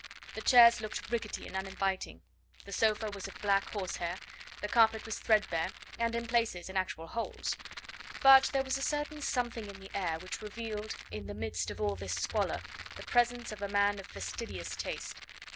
The chairs looked rickety and uninviting, the sofa was of black horsehair, the carpet was threadbare, and in places in actual holes; but there was a certain something in the air which revealed, in the midst of all this squalor, the presence of a man of fastidious taste.